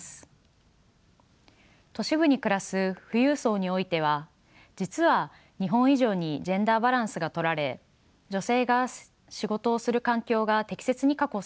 都市部に暮らす富裕層においては実は日本以上にジェンダーバランスがとられ女性が仕事をする環境が適切に確保されています。